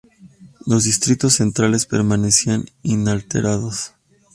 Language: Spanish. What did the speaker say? Los distritos centrales permanecían inalterados.